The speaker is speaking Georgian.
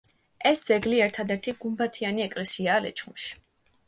ეს ძეგლი ერთადერთი გუმბათიანი ეკლესიაა ლეჩხუმში.